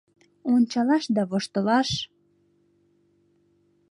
Ончалаш да воштылаш.